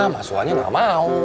mas suha nya gak mau